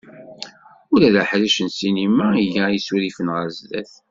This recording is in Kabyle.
Ula d aḥric n ssinima iga isurifen ɣer sdat.